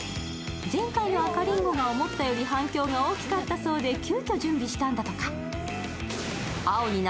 前回の赤りんごが思ったより反響が大きかったそうで急きょ準備したんだとか。